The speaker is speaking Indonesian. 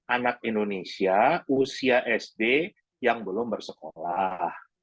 anak indonesia usia sd yang belum bersekolah